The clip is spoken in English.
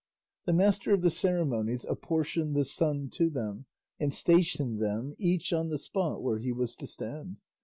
The master of the ceremonies apportioned the sun to them, and stationed them, each on the spot where he was to stand.